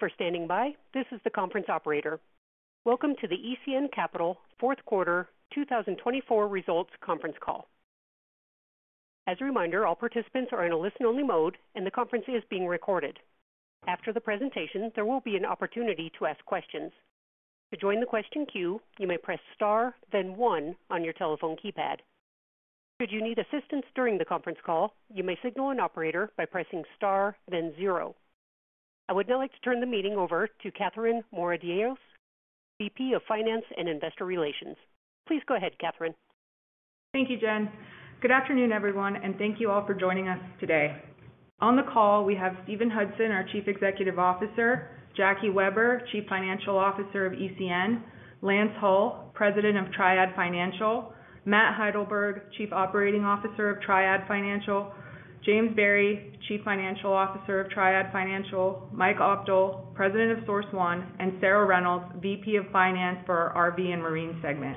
Thank you for standing by. This is the conference operator. Welcome to the ECN Capital Fourth Quarter 2024 results conference call. As a reminder, all participants are in a listen-only mode, and the conference is being recorded. After the presentation, there will be an opportunity to ask questions. To join the question queue, you may press star, then one on your telephone keypad. Should you need assistance during the conference call, you may signal an operator by pressing star, then zero. I would now like to turn the meeting over to Katherine Moradiellos, VP of Finance and Investor Relations. Please go ahead, Katherine. Thank you, Jen. Good afternoon, everyone, and thank you all for joining us today. On the call, we have Steven Hudson, our Chief Executive Officer; Jackie Weber, Chief Financial Officer of ECN; Lance Hull, President of Triad Financial; Matt Heidelberg, Chief Operating Officer of Triad Financial; James Barry, Chief Financial Officer of Triad Financial; Mike Opdahl, President of Source One; and Sarah Reynolds, VP of Finance for our RV and Marine segment.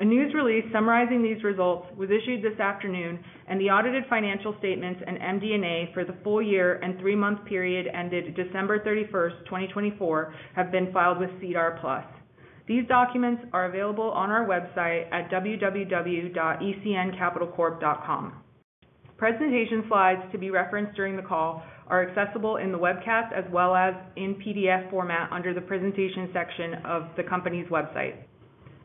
A news release summarizing these results was issued this afternoon, and the audited financial statements and MD&A for the full year and three-month period ended December 31, 2024, have been filed with SEDAR+. These documents are available on our website at www.ecncapitalcorp.com. Presentation slides to be referenced during the call are accessible in the webcast as well as in PDF format under the presentation section of the company's website.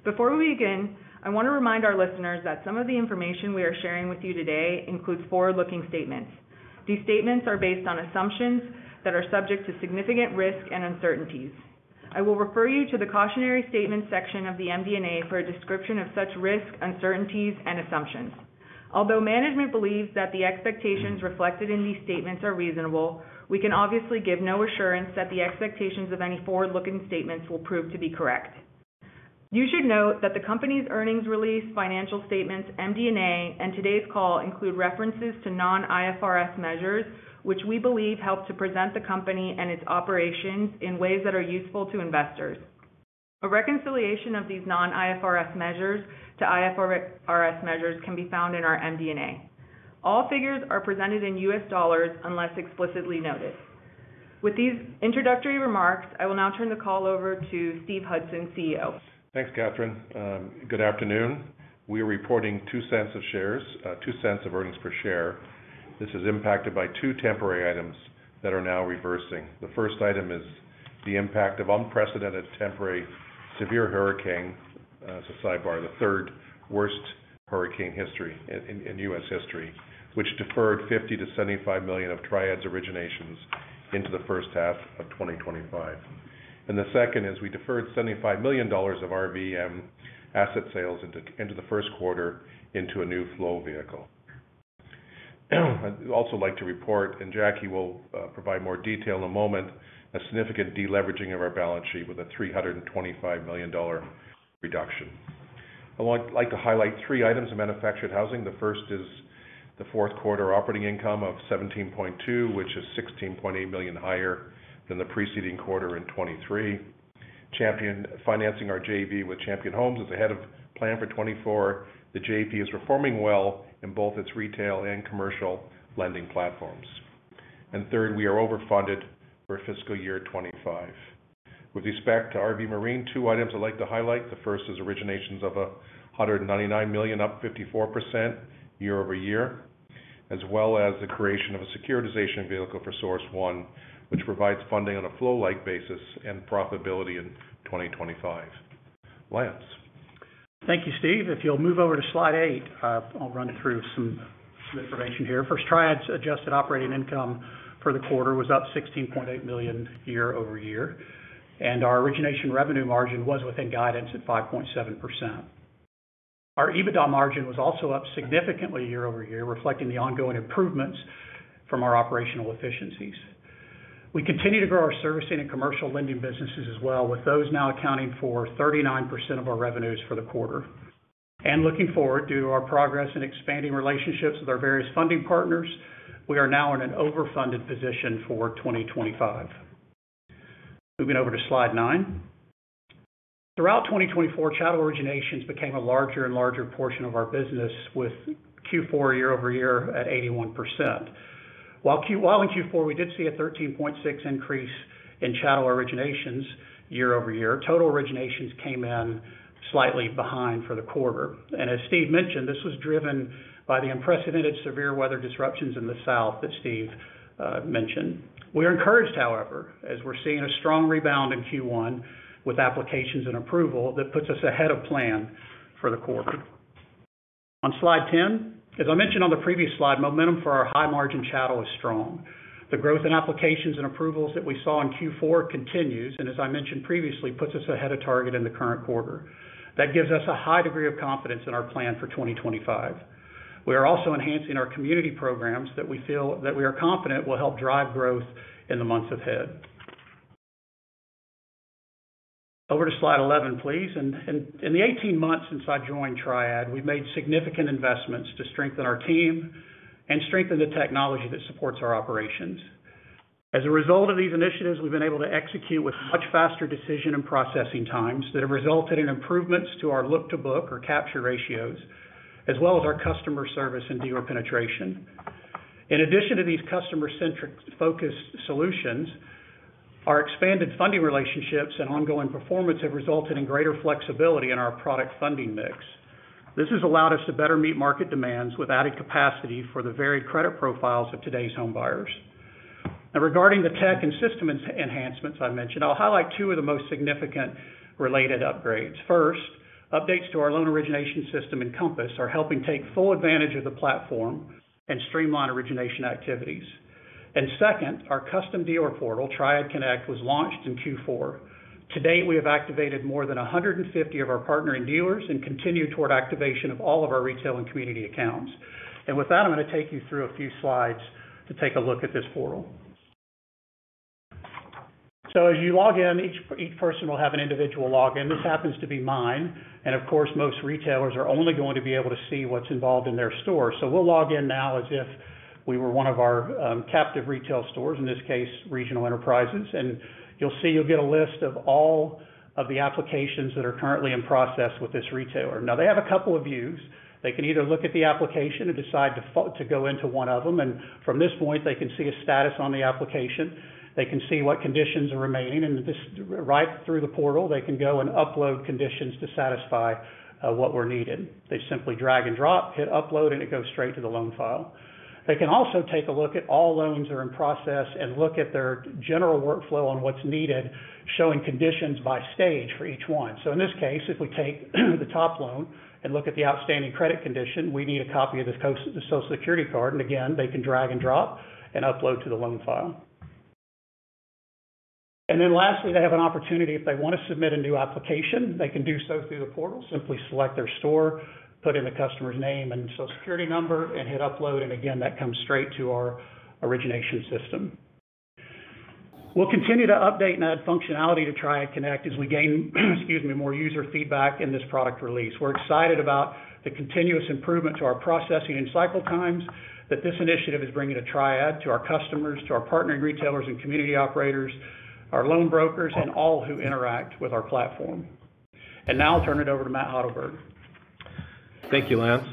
Before we begin, I want to remind our listeners that some of the information we are sharing with you today includes forward-looking statements. These statements are based on assumptions that are subject to significant risk and uncertainties. I will refer you to the cautionary statements section of the MD&A for a description of such risk, uncertainties, and assumptions. Although management believes that the expectations reflected in these statements are reasonable, we can obviously give no assurance that the expectations of any forward-looking statements will prove to be correct. You should note that the company's earnings release, financial statements, MD&A, and today's call include references to non-IFRS measures, which we believe help to present the company and its operations in ways that are useful to investors. A reconciliation of these non-IFRS measures to IFRS measures can be found in our MD&A. All figures are presented in U.S. dollars unless explicitly noted. With these introductory remarks, I will now turn the call over to Steven Hudson, CEO. Thanks, Katherine. Good afternoon. We are reporting $0.02 of earnings per share. This is impacted by two temporary items that are now reversing. The first item is the impact of unprecedented temporary severe hurricane. That's a sidebar. The third worst hurricane in U.S. history, which deferred $50 million-$75 million of Triad's originations into the first half of 2025. The second is we deferred $75 million of RVM asset sales into the first quarter into a new flow vehicle. I'd also like to report, and Jackie will provide more detail in a moment, a significant deleveraging of our balance sheet with a $325 million reduction. I'd like to highlight three items of manufactured housing. The first is the fourth quarter operating income of 17.2, which is 16.8 million higher than the preceding quarter in 2023. Financing our JV with Champion Homes is ahead of plan for 2024. The JV is performing well in both its retail and commercial lending platforms. Third, we are overfunded for fiscal year 2025. With respect to RV Marine, two items I'd like to highlight. The first is originations of 199 million, up 54% year over year, as well as the creation of a securitization vehicle for Source One, which provides funding on a flow-like basis and profitability in 2025. Lance. Thank you, Steve. If you'll move over to slide eight, I'll run through some information here. First, Triad's adjusted operating income for the quarter was up 16.8 million year over year, and our origination revenue margin was within guidance at 5.7%. Our EBITDA margin was also up significantly year over year, reflecting the ongoing improvements from our operational efficiencies. We continue to grow our servicing and commercial lending businesses as well, with those now accounting for 39% of our revenues for the quarter. Looking forward, due to our progress in expanding relationships with our various funding partners, we are now in an overfunded position for 2025. Moving over to slide nine. Throughout 2024, chattel originations became a larger and larger portion of our business, with Q4 year over year at 81%. While in Q4, we did see a 13.6% increase in chattel originations year over year, total originations came in slightly behind for the quarter. As Steve mentioned, this was driven by the unprecedented severe weather disruptions in the south that Steve mentioned. We are encouraged, however, as we're seeing a strong rebound in Q1 with applications and approval that puts us ahead of plan for the quarter. On slide ten, as I mentioned on the previous slide, momentum for our high-margin chattel is strong. The growth in applications and approvals that we saw in Q4 continues, and as I mentioned previously, puts us ahead of target in the current quarter. That gives us a high degree of confidence in our plan for 2025. We are also enhancing our community programs that we feel that we are confident will help drive growth in the months ahead. Over to slide eleven, please. In the 18 months since I joined Triad, we've made significant investments to strengthen our team and strengthen the technology that supports our operations. As a result of these initiatives, we've been able to execute with much faster decision and processing times that have resulted in improvements to our look-to-book or capture ratios, as well as our customer service and dealer penetration. In addition to these customer-centric focused solutions, our expanded funding relationships and ongoing performance have resulted in greater flexibility in our product funding mix. This has allowed us to better meet market demands with added capacity for the varied credit profiles of today's homebuyers. Now, regarding the tech and system enhancements I mentioned, I'll highlight two of the most significant related upgrades. First, updates to our loan origination system in Compass are helping take full advantage of the platform and streamline origination activities. Our custom dealer portal, Triad Connect, was launched in Q4. To date, we have activated more than 150 of our partnering dealers and continue toward activation of all of our retail and community accounts. With that, I am going to take you through a few slides to take a look at this portal. As you log in, each person will have an individual log in. This happens to be mine. Most retailers are only going to be able to see what is involved in their store. We will log in now as if we were one of our captive retail stores, in this case, regional enterprises. You will see you get a list of all of the applications that are currently in process with this retailer. They have a couple of views. They can either look at the application and decide to go into one of them. From this point, they can see a status on the application. They can see what conditions are remaining. Right through the portal, they can go and upload conditions to satisfy what were needed. They simply drag and drop, hit upload, and it goes straight to the loan file. They can also take a look at all loans that are in process and look at their general workflow on what is needed, showing conditions by stage for each one. In this case, if we take the top loan and look at the outstanding credit condition, we need a copy of the Social Security card. Again, they can drag and drop and upload to the loan file. Lastly, they have an opportunity if they want to submit a new application. They can do so through the portal. Simply select their store, put in the customer's name and Social Security number, and hit upload. That comes straight to our origination system. We'll continue to update and add functionality to Triad Connect as we gain more user feedback in this product release. We're excited about the continuous improvement to our processing and cycle times that this initiative is bringing to Triad, to our customers, to our partnering retailers and community operators, our loan brokers, and all who interact with our platform. I will now turn it over to Matt Heidelberg. Thank you, Lance.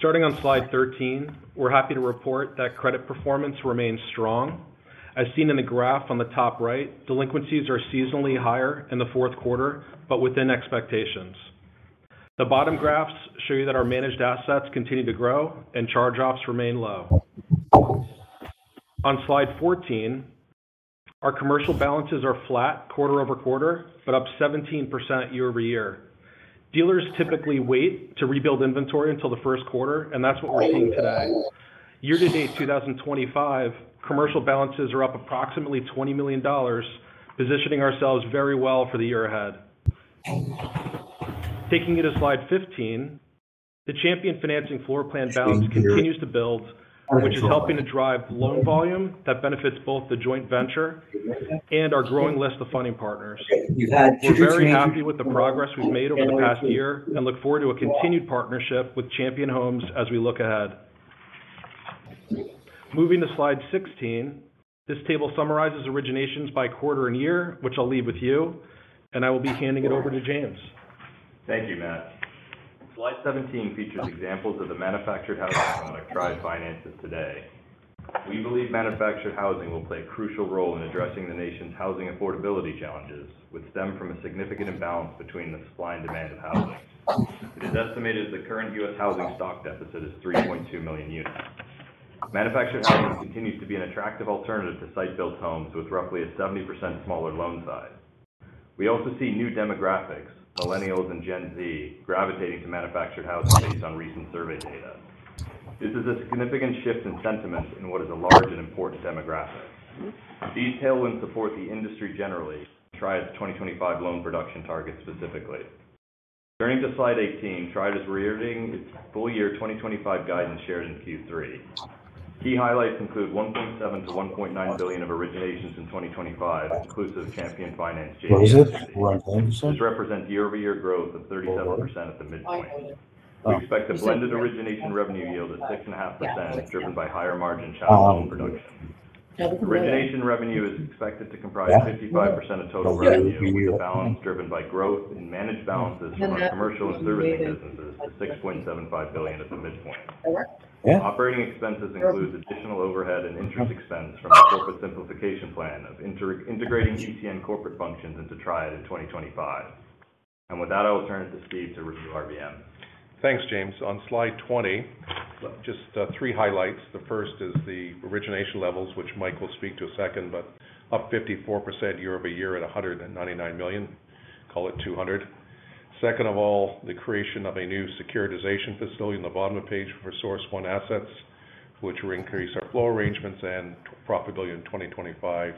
Starting on slide 13, we're happy to report that credit performance remains strong. As seen in the graph on the top right, delinquencies are seasonally higher in the fourth quarter, but within expectations. The bottom graphs show you that our managed assets continue to grow and charge-offs remain low. On slide 14, our commercial balances are flat quarter over quarter, but up 17% year over year. Dealers typically wait to rebuild inventory until the first quarter, and that's what we're seeing today. Year-to-date 2025, commercial balances are up approximately $20 million, positioning ourselves very well for the year ahead. Taking it to slide 15, the Champion Financing Floor Plan balance continues to build, which is helping to drive loan volume that benefits both the joint venture and our growing list of funding partners. We're very happy with the progress we've made over the past year and look forward to a continued partnership with Champion Homes as we look ahead. Moving to slide 16, this table summarizes originations by quarter and year, which I'll leave with you, and I will be handing it over to James. Thank you, Matt. Slide 17 features examples of the manufactured housing product Triad finances today. We believe manufactured housing will play a crucial role in addressing the nation's housing affordability challenges, which stem from a significant imbalance between the supply and demand of housing. It is estimated that the current U.S. housing stock deficit is 3.2 million units. Manufactured housing continues to be an attractive alternative to site-built homes with roughly a 70% smaller loan size. We also see new demographics, Millennials and Gen Z, gravitating to manufactured housing based on recent survey data. This is a significant shift in sentiment in what is a large and important demographic. These tailor and support the industry generally, Triad's 2025 loan production targets specifically. Turning to slide 18, Triad is reiterating its full year 2025 guidance shared in Q3. Key highlights include $1.7 billion-$1.9 billion of originations in 2025, inclusive Champion Finance. What is it? 1.7? Which represents year-over-year growth of 37% at the midpoint. We expect a blended origination revenue yield of 6.5% driven by higher-margin chattel productions. Origination revenue is expected to comprise 55% of total revenue, a balance driven by growth in managed balances from our commercial and servicing businesses to 6.75 billion at the midpoint. Operating expenses include additional overhead and interest expense from the corporate simplification plan of integrating ECN corporate functions into Triad in 2025. With that, I will turn it to Steve to review RVM. Thanks, James. On slide 20, just three highlights. The first is the origination levels, which Mike will speak to in a second, but up 54% year over year at $199 million. Call it 200. Second of all, the creation of a new Securitization Facility on the bottom of the page for Source One assets, which will increase our flow arrangements and profitability in 2025.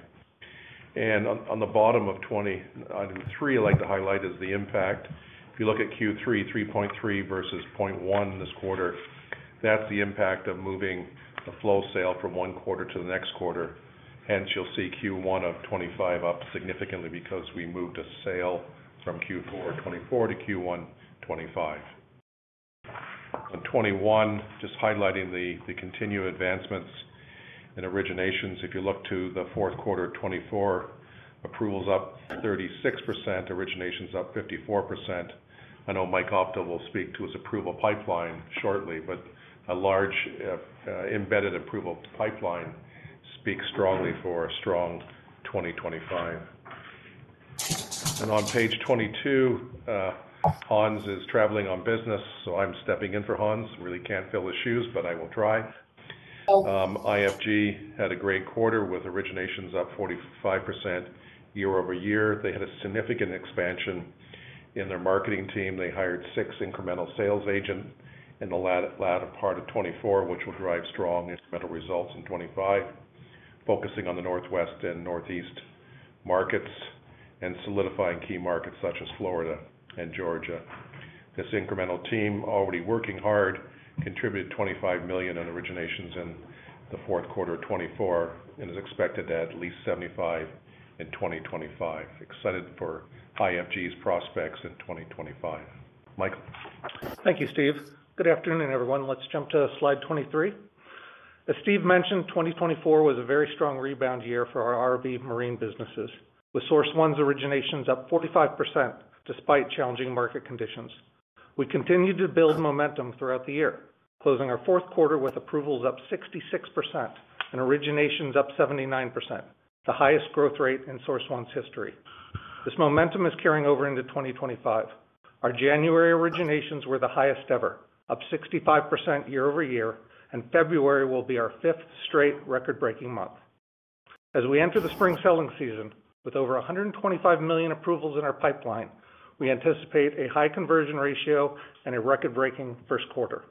On the bottom of 20, on three, I'd like to highlight is the impact. If you look at Q3, 3.3 versus 0.1 this quarter, that's the impact of moving the flow sale from one quarter to the next quarter. Hence, you'll see Q1 of 2025 up significantly because we moved a sale from Q4 2024 to Q1 2025. On 21, just highlighting the continued advancements in originations. If you look to the fourth quarter of 2024, approvals up 36%, originations up 54%. I know Mike Opdahl will speak to his approval pipeline shortly, but a large embedded approval pipeline speaks strongly for a strong 2025. On page 22, Hans is traveling on business, so I'm stepping in for Hans. Really can't fill his shoes, but I will try. IFG had a great quarter with originations up 45% year over year. They had a significant expansion in their marketing team. They hired six incremental sales agents in the latter part of 2024, which will drive strong incremental results in 2025, focusing on the Northwest and Northeast markets and solidifying key markets such as Florida and Georgia. This incremental team, already working hard, contributed $25 million in originations in the fourth quarter of 2024 and is expected to add at least 75 in 2025. Excited for IFG's prospects in 2025. Mike. Thank you, Steve. Good afternoon, everyone. Let's jump to slide 23. As Steve mentioned, 2024 was a very strong rebound year for our RV Marine businesses, with Source One's originations up 45% despite challenging market conditions. We continued to build momentum throughout the year, closing our fourth quarter with approvals up 66% and originations up 79%, the highest growth rate in Source One's history. This momentum is carrying over into 2025. Our January originations were the highest ever, up 65% year over year, and February will be our fifth straight record-breaking month. As we enter the spring selling season with over 125 million approvals in our pipeline, we anticipate a high conversion ratio and a record-breaking first quarter.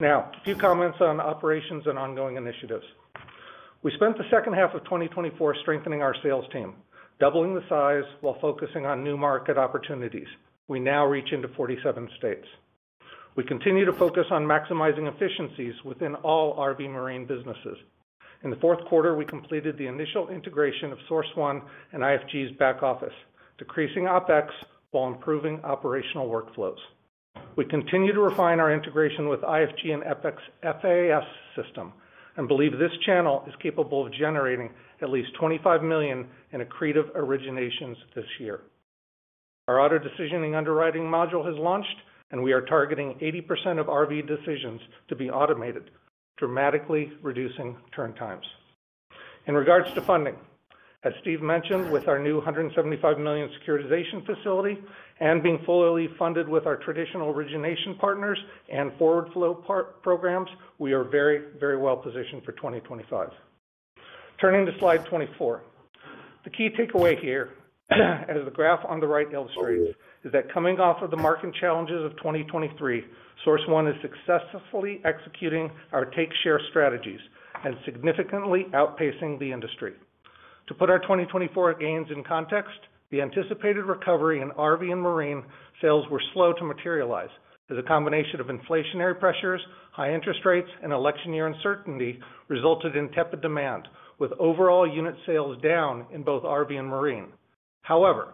Now, a few comments on operations and ongoing initiatives. We spent the second half of 2024 strengthening our sales team, doubling the size while focusing on new market opportunities. We now reach into 47 states. We continue to focus on maximizing efficiencies within all RV Marine businesses. In the fourth quarter, we completed the initial integration of Source One and IFG's back office, decreasing OpEx while improving operational workflows. We continue to refine our integration with IFG and FAS system and believe this channel is capable of generating at least 25 million in accretive originations this year. Our auto decisioning underwriting module has launched, and we are targeting 80% of RV decisions to be automated, dramatically reducing turn times. In regards to funding, as Steve mentioned, with our new 175 million Securitization Facility and being fully funded with our traditional origination partners and forward flow programs, we are very, very well positioned for 2025. Turning to slide 24, the key takeaway here, as the graph on the right illustrates, is that coming off of the market challenges of 2023, Source One is successfully executing our take-share strategies and significantly outpacing the industry. To put our 2024 gains in context, the anticipated recovery in RV and Marine sales were slow to materialize as a combination of inflationary pressures, high interest rates, and election year uncertainty resulted in tepid demand, with overall unit sales down in both RV and Marine. However,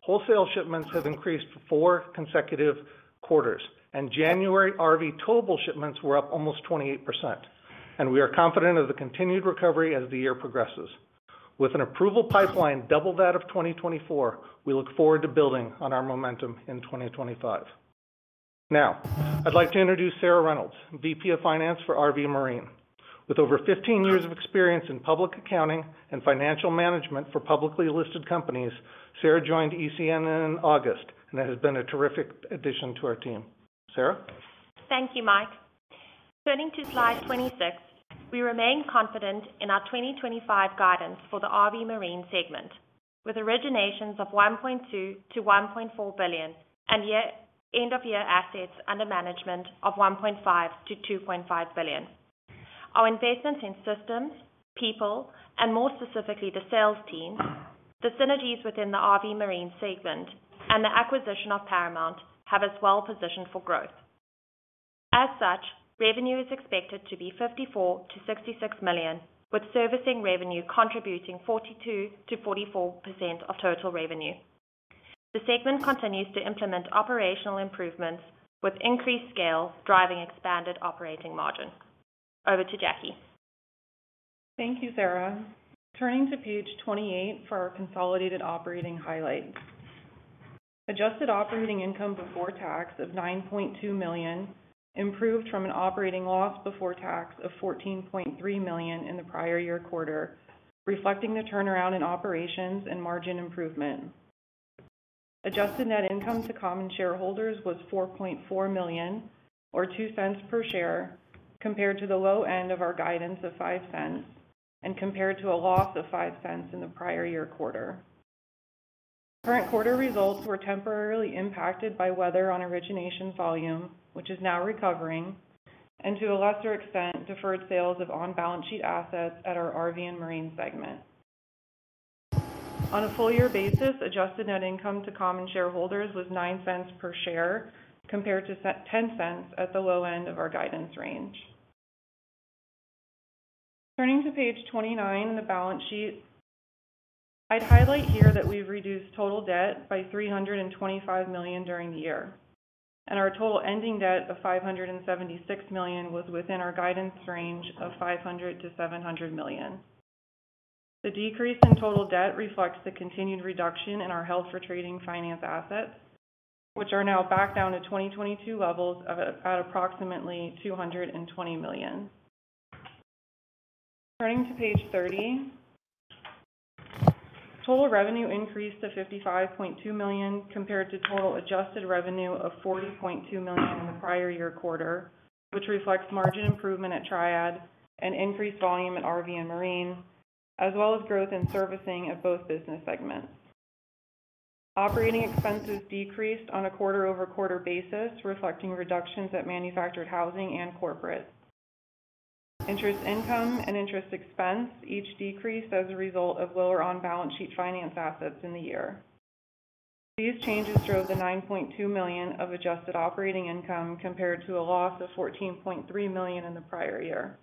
wholesale shipments have increased for four consecutive quarters, and January RV total shipments were up almost 28%. We are confident of the continued recovery as the year progresses. With an approval pipeline double that of 2024, we look forward to building on our momentum in 2025. Now, I'd like to introduce Sarah Reynolds, VP of Finance for RV Marine. With over 15 years of experience in public accounting and financial management for publicly listed companies, Sarah joined ECN in August, and it has been a terrific addition to our team. Sarah? Thank you, Mike. Turning to slide 26, we remain confident in our 2025 guidance for the RV Marine segment, with originations of 1.2 billion-1.4 billion and end-of-year assets under management of 1.5 billion-2.5 billion. Our investments in systems, people, and more specifically the sales teams, the synergies within the RV Marine segment, and the acquisition of Paramount have us well positioned for growth. As such, revenue is expected to be 54 million-66 million, with servicing revenue contributing 42%-44% of total revenue. The segment continues to implement operational improvements, with increased scale driving expanded operating margin. Over to Jackie. Thank you, Sarah. Turning to page 28 for our consolidated operating highlights. Adjusted operating income before tax of 9.2 million, improved from an operating loss before tax of 14.3 million in the prior year quarter, reflecting the turnaround in operations and margin improvement. Adjusted net income to common shareholders was 4.4 million, or $0.02 per share, compared to the low end of our guidance of $0.05 and compared to a loss of $0.05 in the prior year quarter. Current quarter results were temporarily impacted by weather on origination volume, which is now recovering, and to a lesser extent, deferred sales of on-balance sheet assets at our RV and Marine segment. On a full year basis, adjusted net income to common shareholders was $0.09 per share, compared to $0.10 at the low end of our guidance range. Turning to page 29, the balance sheet, I'd highlight here that we've reduced total debt by 325 million during the year, and our total ending debt of 576 million was within our guidance range of 500-700 million. The decrease in total debt reflects the continued reduction in our held for trading finance assets, which are now back down to 2022 levels at approximately 220 million. Turning to page 30, total revenue increased to 55.2 million compared to total adjusted revenue of 40.2 million in the prior year quarter, which reflects margin improvement at Triad and increased volume in RV and Marine, as well as growth in servicing of both business segments. Operating expenses decreased on a quarter-over-quarter basis, reflecting reductions at manufactured housing and corporate. Interest income and interest expense each decreased as a result of lower on-balance sheet finance assets in the year. These changes drove the 9.2 million of adjusted operating income compared to a loss of 14.3 million in the prior year.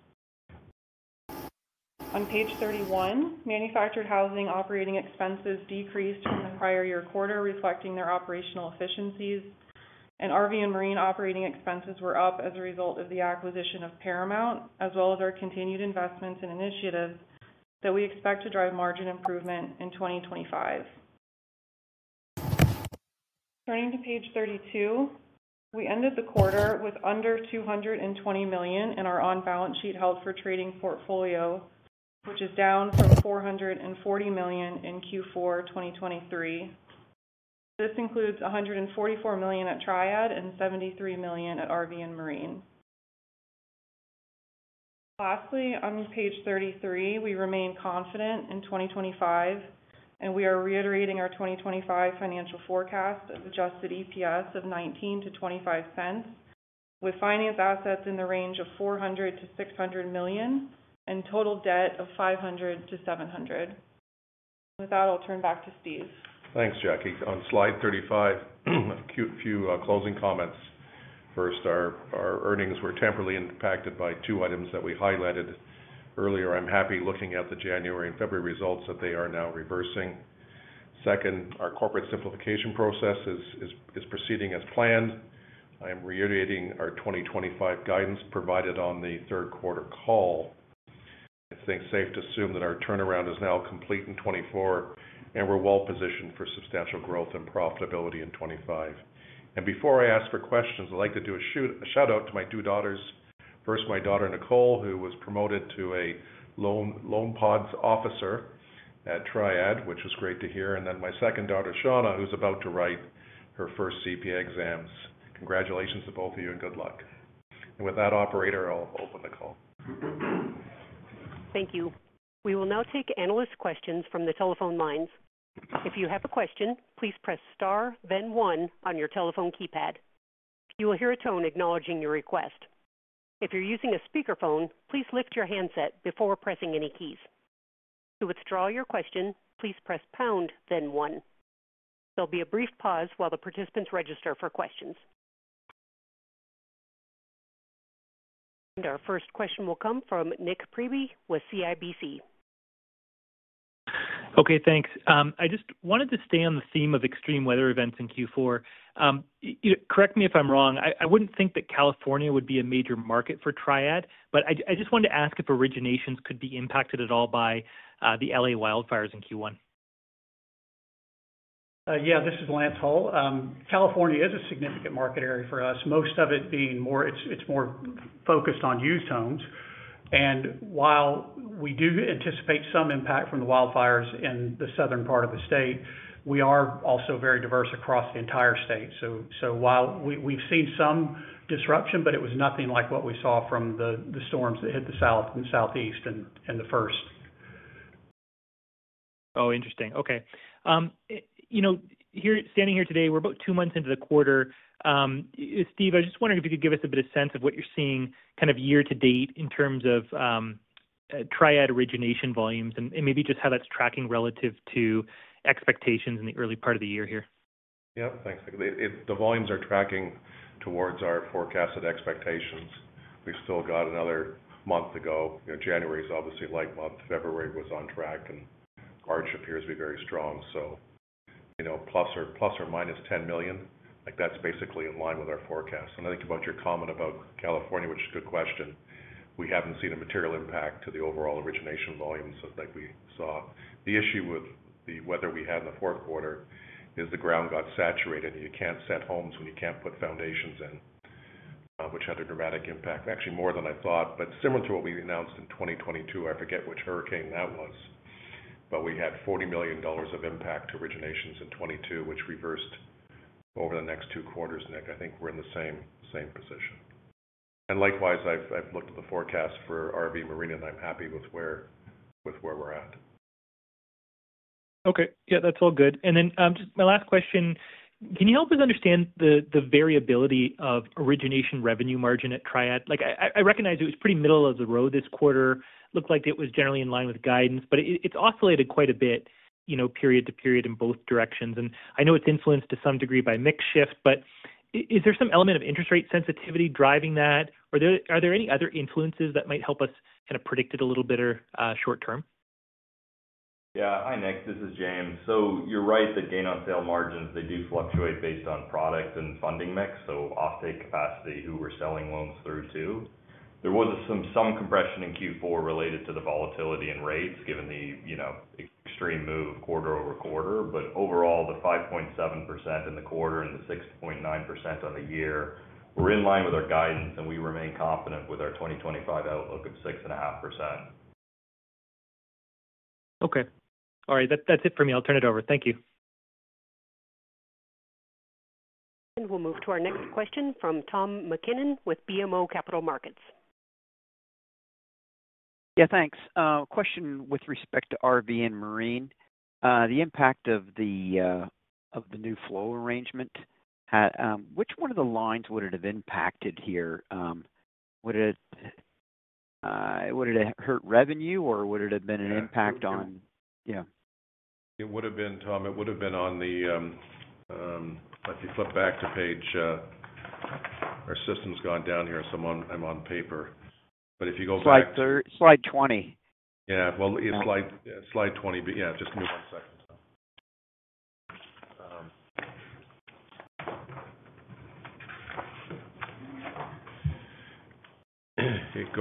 On page 31, manufactured housing operating expenses decreased from the prior year quarter, reflecting their operational efficiencies, and RV and Marine operating expenses were up as a result of the acquisition of Paramount, as well as our continued investments and initiatives that we expect to drive margin improvement in 2025. Turning to page 32, we ended the quarter with under 220 million in our on-balance sheet held for trading portfolio, which is down from 440 million in Q4 2023. This includes 144 million at Triad and 73 million at RV and Marine. Lastly, on page 33, we remain confident in 2025, and we are reiterating our 2025 financial forecast of adjusted EPS of $0.19-$0.25, with finance assets in the range of 400 million-600 million and total debt of 500 million-700 million. With that, I'll turn back to Steve. Thanks, Jackie. On slide 35, a few closing comments. First, our earnings were temporarily impacted by two items that we highlighted earlier. I'm happy looking at the January and February results that they are now reversing. Second, our corporate simplification process is proceeding as planned. I am reiterating our 2025 guidance provided on the third quarter call. I think it's safe to assume that our turnaround is now complete in 2024, and we're well positioned for substantial growth and profitability in 2025. Before I ask for questions, I'd like to do a shout-out to my two daughters. First, my daughter Nicole, who was promoted to a LoanPods officer at Triad, which was great to hear. My second daughter, Shauna, is about to write her first CPA exams. Congratulations to both of you and good luck. With that, Operator, I'll open the call. Thank you. We will now take analyst questions from the telephone lines. If you have a question, please press star, then one on your telephone keypad. You will hear a tone acknowledging your request. If you're using a speakerphone, please lift your handset before pressing any keys. To withdraw your question, please press pound, then one. There will be a brief pause while the participants register for questions. Our first question will come from Nik Priebe with CIBC. Okay, thanks. I just wanted to stay on the theme of extreme weather events in Q4. Correct me if I'm wrong. I wouldn't think that California would be a major market for Triad, but I just wanted to ask if originations could be impacted at all by the LA wildfires in Q1. Yeah, this is Lance Hull. California is a significant market area for us, most of it being more it's more focused on used homes. While we do anticipate some impact from the wildfires in the southern part of the state, we are also very diverse across the entire state. While we've seen some disruption, it was nothing like what we saw from the storms that hit the south and southeast in the first. Oh, interesting. Okay. Standing here today, we're about two months into the quarter. Steve, I was just wondering if you could give us a bit of sense of what you're seeing kind of year to date in terms of Triad origination volumes and maybe just how that's tracking relative to expectations in the early part of the year here. Yeah, thanks. The volumes are tracking towards our forecasted expectations. We've still got another month to go. January is obviously a light month. February was on track, and March appears to be very strong. Plus or minus 10 million, that's basically in line with our forecast. I think about your comment about California, which is a good question. We haven't seen a material impact to the overall origination volumes that we saw. The issue with the weather we had in the fourth quarter is the ground got saturated, and you can't set homes when you can't put foundations in, which had a dramatic impact. Actually, more than I thought, but similar to what we announced in 2022. I forget which hurricane that was, but we had $40 million of impact to originations in 2022, which reversed over the next two quarters. Nick, I think we're in the same position. Likewise, I've looked at the forecast for RV Marine, and I'm happy with where we're at. Okay. Yeah, that's all good. Just my last question. Can you help us understand the variability of origination revenue margin at Triad? I recognize it was pretty middle of the road this quarter. Looked like it was generally in line with guidance, but it's oscillated quite a bit period to period in both directions. I know it's influenced to some degree by mix shift, but is there some element of interest rate sensitivity driving that? Are there any other influences that might help us kind of predict it a little better short term? Yeah. Hi, Nik. This is James. You're right that gain on sale margins, they do fluctuate based on product and funding mix, offtake capacity, who we're selling loans through to. There was some compression in Q4 related to the volatility in rates given the extreme move quarter over quarter. Overall, the 5.7% in the quarter and the 6.9% on the year were in line with our guidance, and we remain confident with our 2025 outlook of 6.5%. Okay. All right. That's it for me. I'll turn it over. Thank you. We will move to our next question from Tom McKinnon with BMO Capital Markets. Yeah, thanks. Question with respect to RV and Marine. The impact of the new flow arrangement, which one of the lines would it have impacted here? Would it have hurt revenue, or would it have been an impact on? It would have been, Tom, it would have been on the if you flip back to page, our system's gone down here, so I'm on paper. But if you go back. Slide 20. Yeah. Slide 20, but yeah, just give me one second. It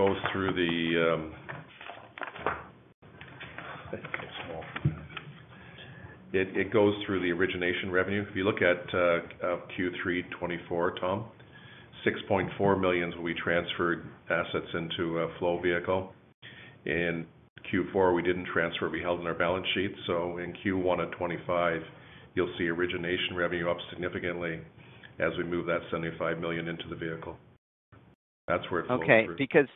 goes through the origination revenue. If you look at Q3 2024, Tom, 6.4 million is what we transferred assets into flow vehicle. In Q4, we did not transfer. We held in our balance sheet. In Q1 2025, you will see origination revenue up significantly as we move that 75 million into the vehicle. That is where it flows through. Okay. Because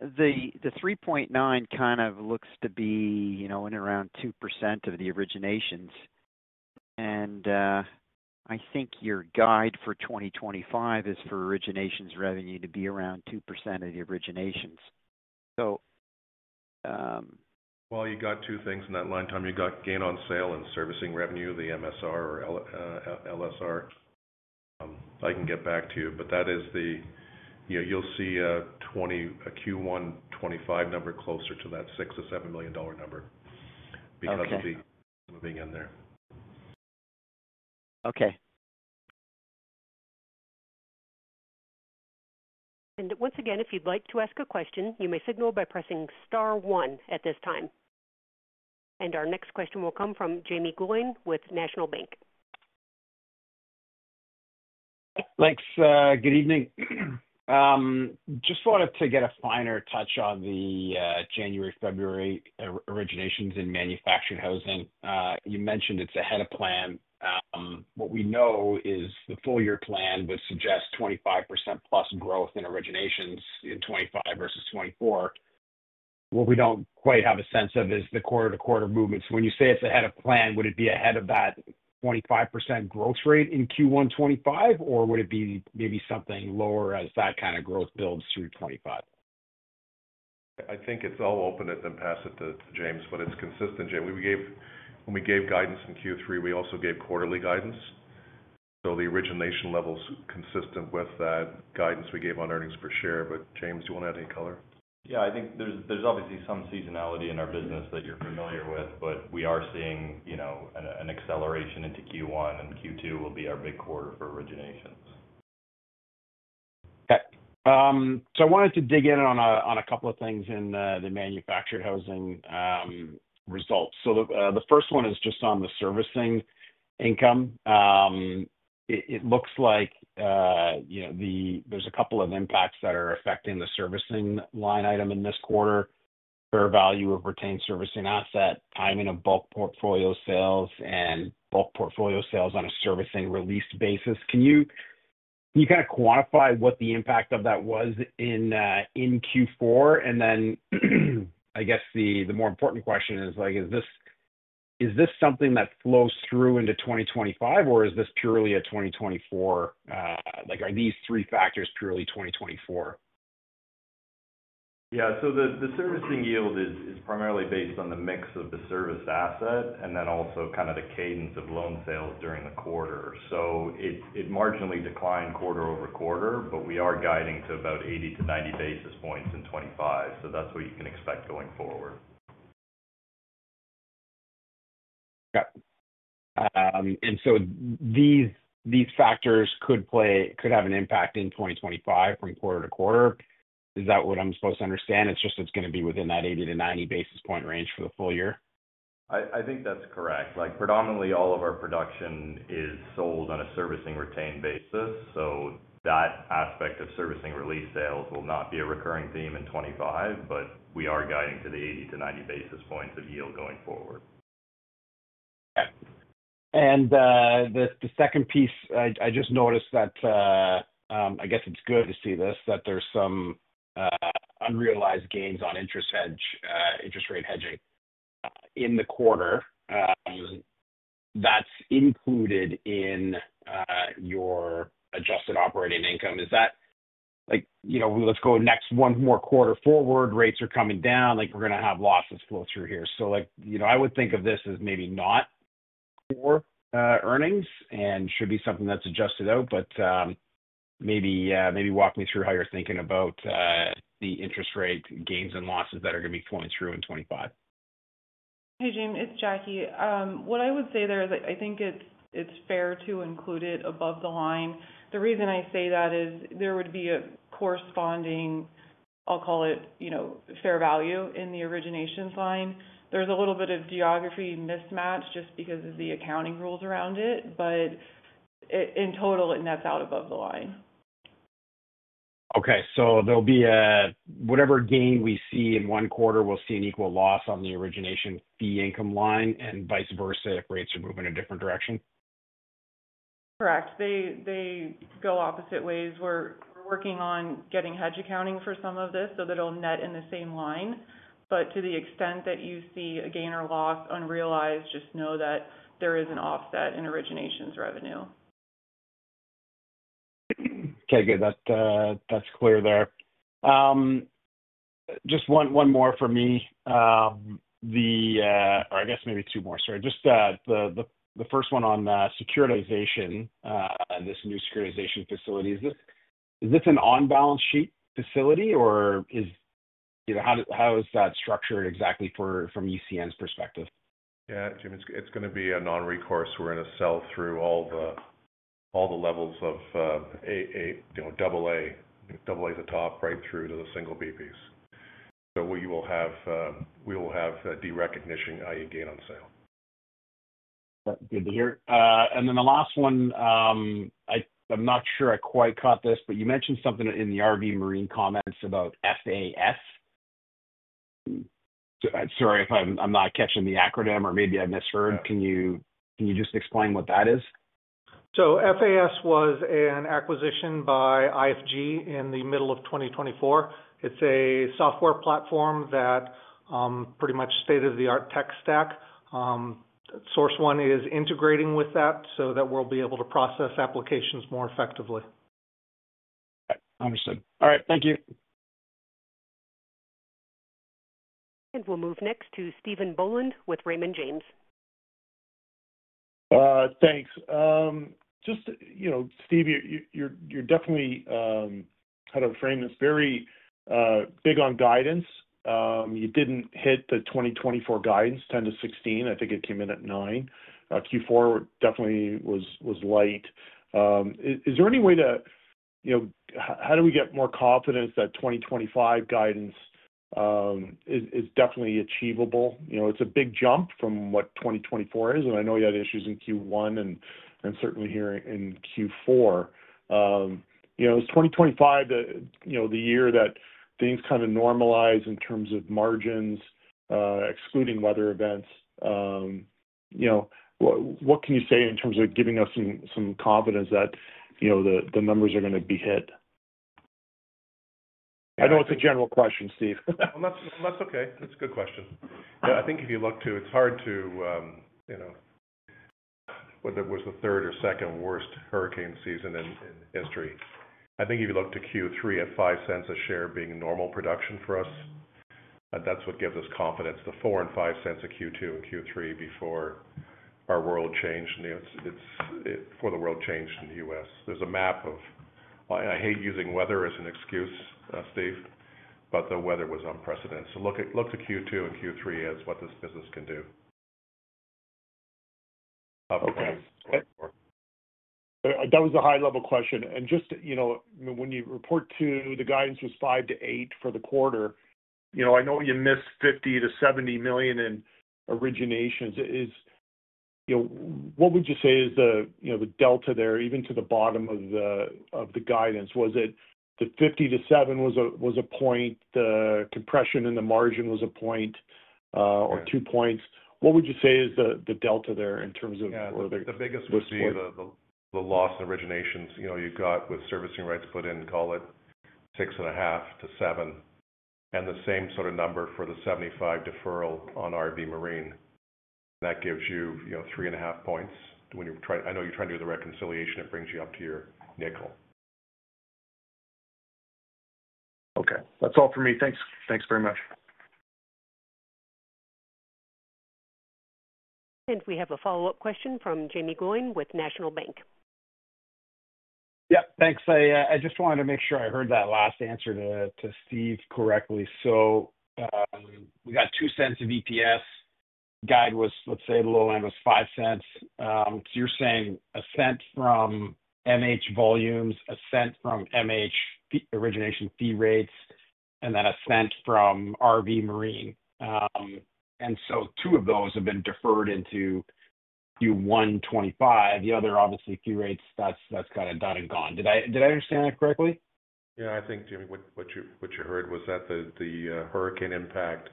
the 3.9 kind of looks to be in around 2% of the originations. I think your guide for 2025 is for originations revenue to be around 2% of the originations. You got two things in that line, Tom. You got gain on sale and servicing revenue, the MSR or LSR. I can get back to you. That is the, you'll see a Q1 2025 number closer to that $6 million-$7 million number because of the moving in there. Okay. Once again, if you'd like to ask a question, you may signal by pressing star one at this time. Our next question will come from Jaeme Gloyn with National Bank. Thanks. Good evening. Just wanted to get a finer touch on the January, February originations in manufactured housing. You mentioned it's ahead of plan. What we know is the full year plan would suggest 25% plus growth in originations in 2025 versus 2024. What we don't quite have a sense of is the quarter-to-quarter movement. When you say it's ahead of plan, would it be ahead of that 25% growth rate in Q1 2025, or would it be maybe something lower as that kind of growth builds through 2025? I think it's all open at that point, then pass it to James. It's consistent. When we gave guidance in Q3, we also gave quarterly guidance. The origination level is consistent with that guidance we gave on earnings per share. James, do you want to add any color? Yeah. I think there's obviously some seasonality in our business that you're familiar with, but we are seeing an acceleration into Q1, and Q2 will be our big quarter for originations. Okay. I wanted to dig in on a couple of things in the manufactured housing results. The first one is just on the servicing income. It looks like there's a couple of impacts that are affecting the servicing line item in this quarter: fair value of retained servicing asset, timing of bulk portfolio sales, and bulk portfolio sales on a servicing release basis. Can you kind of quantify what the impact of that was in Q4? I guess the more important question is, is this something that flows through into 2025, or is this purely a 2024? Are these three factors purely 2024? Yeah. The servicing yield is primarily based on the mix of the service asset and then also kind of the cadence of loan sales during the quarter. It marginally declined quarter over quarter, but we are guiding to about 80-90 basis points in 2025. That is what you can expect going forward. Okay. These factors could have an impact in 2025 from quarter to quarter. Is that what I'm supposed to understand? It's just it's going to be within that 80-90 basis point range for the full year? I think that's correct. Predominantly, all of our production is sold on a servicing retained basis. That aspect of servicing release sales will not be a recurring theme in 2025, but we are guiding to the 80-90 basis points of yield going forward. Okay. The second piece, I just noticed that I guess it's good to see this, that there's some unrealized gains on interest rate hedging in the quarter. That's included in your adjusted operating income. Is that, let's go next one more quarter forward, rates are coming down, we're going to have losses flow through here. I would think of this as maybe not core earnings and should be something that's adjusted out. Maybe walk me through how you're thinking about the interest rate gains and losses that are going to be flowing through in 2025. Hey, James. It's Jackie. What I would say there is I think it's fair to include it above the line. The reason I say that is there would be a corresponding, I'll call it fair value in the originations line. There's a little bit of geography mismatch just because of the accounting rules around it. In total, it nets out above the line. Okay. There'll be whatever gain we see in one quarter, we'll see an equal loss on the origination fee income line and vice versa if rates are moving in a different direction? Correct. They go opposite ways. We're working on getting hedge accounting for some of this so that it'll net in the same line. To the extent that you see a gain or loss unrealized, just know that there is an offset in originations revenue. Okay. Good. That's clear there. Just one more for me, or I guess maybe two more. Sorry. Just the first one on securitization, this new Securitization Facility. Is this an on-balance sheet facility, or how is that structured exactly from ECN's perspective? Yeah, Jaeme. It's going to be a non-recourse. We're going to sell through all the levels of AA, AA to the top, right through to the single BPs. We will have a derecognition, i.e., gain on sale. Good to hear. Then the last one, I'm not sure I quite caught this, but you mentioned something in the RV Marine comments about FAS. Sorry if I'm not catching the acronym or maybe I misheard. Can you just explain what that is? FAS was an acquisition by IFG in the middle of 2024. It's a software platform that pretty much state-of-the-art tech stack. Source One is integrating with that so that we'll be able to process applications more effectively. Okay. Understood. All right. Thank you. We will move next to Stephen Boland with Raymond James. Thanks. Just, Steve, you're definitely how to frame this. Very big on guidance. You didn't hit the 2024 guidance, 10-16. I think it came in at 9. Q4 definitely was light. Is there any way to how do we get more confidence that 2025 guidance is definitely achievable? It's a big jump from what 2024 is. I know you had issues in Q1 and certainly here in Q4. Is 2025 the year that things kind of normalize in terms of margins, excluding weather events? What can you say in terms of giving us some confidence that the numbers are going to be hit? I know it's a general question, Steve. That's a good question. I think if you look to it's hard to whether it was the third or second worst hurricane season in history. I think if you look to Q3, at $0.05 a share being normal production for us, that's what gives us confidence. The $0.04 and $0.05 of Q2 and Q3 before our world changed before the world changed in the U.S. There's a map of I hate using weather as an excuse, Steph, but the weather was unprecedented. Look to Q2 and Q3 as what this business can do. Okay. That was a high-level question. Just when you report to the guidance was 5-8 for the quarter, I know you missed $50-70 million in originations. What would you say is the delta there, even to the bottom of the guidance? Was it the $50-70 million was a point, the compression in the margin was a point, or two points? What would you say is the delta there in terms of where the. Yeah. The biggest was for the loss in originations you got with servicing rights put in, call it 6.5-7. And the same sort of number for the 75 deferral on RV Marine. And that gives you 3.5 points. I know you're trying to do the reconciliation. It brings you up to your nickel. Okay. That's all for me. Thanks. Thanks very much. We have a follow-up question from Jaeme Gloyn with National Bank. Yep. Thanks. I just wanted to make sure I heard that last answer to Steve correctly. We got $0.02 of EPS. Guide was, let's say, the low end was $0.05. You are saying a cent from MH volumes, a cent from MH origination fee rates, and then a cent from RV Marine. Two of those have been deferred into Q1 2025. The other, obviously, fee rates, that is kind of done and gone. Did I understand that correctly? Yeah. I think, Jaeme, what you heard was that the hurricane impact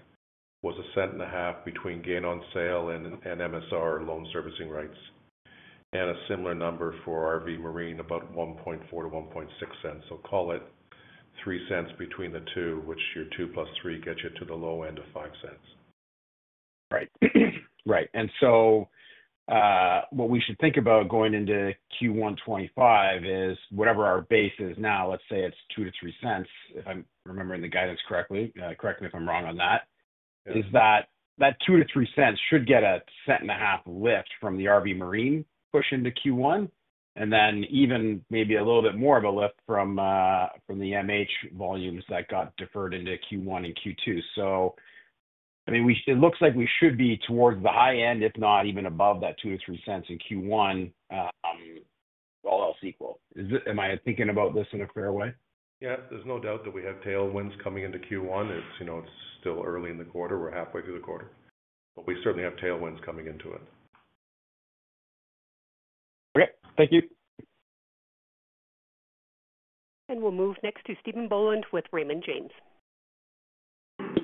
was $0.015 between gain on sale and MSR loan servicing rights. And a similar number for RV Marine, about $0.014-$0.016. Call it $0.03 between the two, which your $0.02 plus $0.03 gets you to the low end of $0.05. Right. Right. What we should think about going into Q1 2025 is whatever our base is now, let's say it's 2-3 cents, if I'm remembering the guidance correctly. Correct me if I'm wrong on that. Is that 2-3 cents should get a cent and a half lift from the RV Marine push into Q1, and then even maybe a little bit more of a lift from the MH volumes that got deferred into Q1 and Q2. I mean, it looks like we should be towards the high end, if not even above that 2-3 cents in Q1, all else equal. Am I thinking about this in a fair way? Yeah. There's no doubt that we have tailwinds coming into Q1. It's still early in the quarter. We're halfway through the quarter. We certainly have tailwinds coming into it. Okay. Thank you. We will move next to Stephen Boland with Raymond James.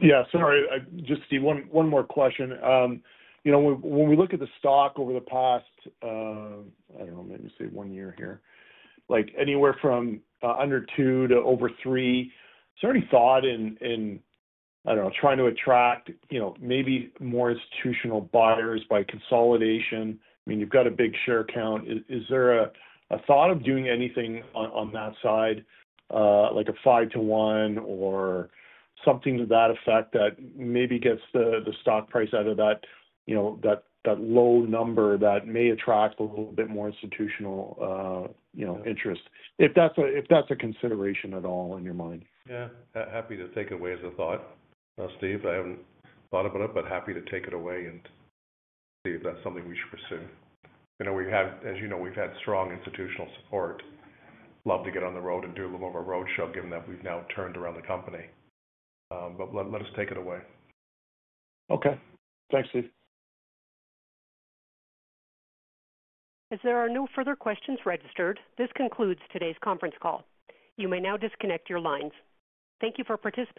Yeah. Sorry. Just Steve, one more question. When we look at the stock over the past, I don't know, maybe say one year here, anywhere from under two to over three, is there any thought in, I don't know, trying to attract maybe more institutional buyers by consolidation? I mean, you've got a big share count. Is there a thought of doing anything on that side, like a 5 to 1 or something to that effect that maybe gets the stock price out of that low number that may attract a little bit more institutional interest? If that's a consideration at all in your mind. Yeah. Happy to take it away as a thought, Steve. I have not thought about it, but happy to take it away and see if that is something we should pursue. As you know, we have had strong institutional support. Love to get on the road and do a little bit of a roadshow, given that we have now turned around the company. Let us take it away. Okay. Thanks, Steve. If there are no further questions registered, this concludes today's conference call. You may now disconnect your lines. Thank you for participating.